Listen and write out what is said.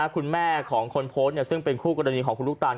คุณแม่ของคนโพสต์ซึ่งเป็นคู่กรณีของคุณลูกตาล